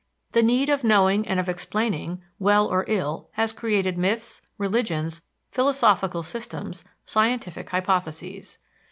The need of knowing and of explaining, well or ill, has created myths, religions, philosophical systems, scientific hypotheses.